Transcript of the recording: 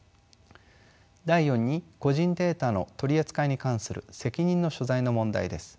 第４に個人データの取り扱いに関する責任の所在の問題です。